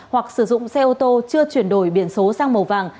hoặc sử dụng xe ô tô chưa chuyển đổi biển số sang màu vàng